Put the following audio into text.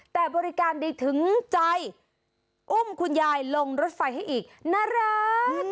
แต่บริการดีถึงใจอุ้มคุณยายลงรถไฟให้อีกน่ารัก